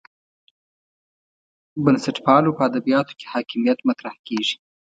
بنسټپالو په ادبیاتو کې حاکمیت مطرح کېږي.